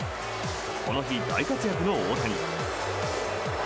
この日、大活躍の大谷。